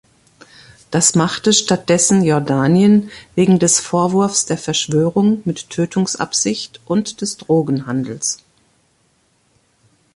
Das machte stattdessen Jordanien wegen des Vorwurfs der Verschwörung mit Tötungsabsicht und des Drogenhandels.